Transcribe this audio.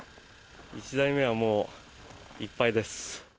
１台目は、もういっぱいです。